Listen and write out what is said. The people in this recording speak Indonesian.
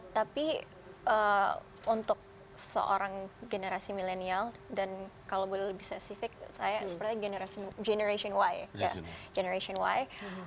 tapi untuk seorang generasi milenial dan kalau boleh lebih spesifik saya seperti generation y generation y